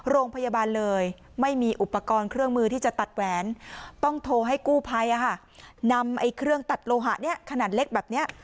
โรงพยาบาลเลยไม่มีอุปกรณ์เครื่องมือที่จะตัดแหวนต้องโทรให้กู้ภัยนำเครื่องตัดโลหะเนี่ยขนาดเล็กแบบนี้